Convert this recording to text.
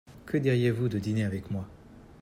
Que diriez-vous de dîner avec moi ?